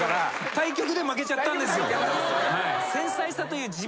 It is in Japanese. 対局で負けちゃったんですよ。